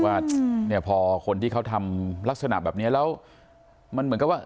ว่าเนี่ยพอคนที่เขาทำลักษณะแบบนี้แล้วมันเหมือนกับว่า